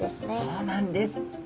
そうなんです。